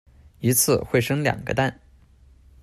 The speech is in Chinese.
一次会生两个蛋。